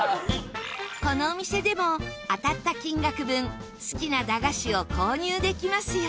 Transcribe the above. このお店でも当たった金額分好きな駄菓子を購入できますよ。